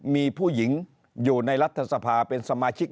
มีผู้หญิงอยู่ในรัฐสภาเป็นสมาชิก